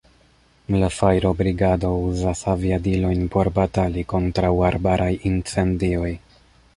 La fajrobrigado uzas aviadilojn por batali kontraŭ arbaraj incendioj.